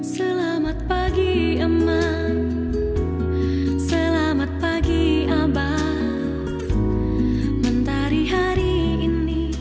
selamat pagi ema selamat pagi abang mentari hari ini